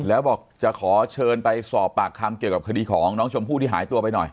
แล้วบอกจะขอเชิญไปสอบปากคำเกี่ยวกับคดีของน้องชมพู่ที่หายตัวไปหน่อย